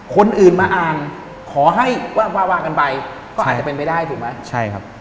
คนอื่นมาอ่านขอให้ว่ากันไปก็อาจจะเป็นไปได้ถูกไหม